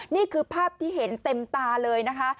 นี่คือภาพที่เห็นเต็มตาเลยนะคะ